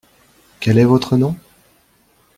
Quel est votre nom ?